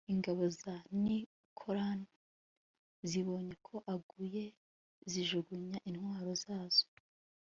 ingabo za nikanori zibonye ko aguye zijugunya intwaro zazo